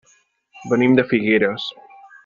Venim de Figueres.